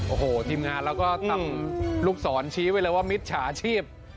โอ้โหทีมงานเราก็ทำลูกศรชี้ไว้เลยว่ามิจฉาชีพ